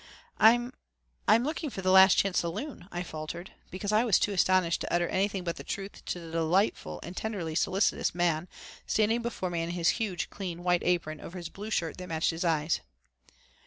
"I'm I'm looking for the the Last Chance Saloon," I faltered, because I was too astonished to utter anything but the truth to the delightful and tenderly solicitous man standing before me in his huge, clean white apron over his blue shirt that matched his eyes.